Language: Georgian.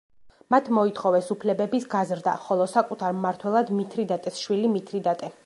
მათ მოითხოვეს უფლებების გაზრდა, ხოლო საკუთარ მმართველად მითრიდატეს შვილი მითრიდატე.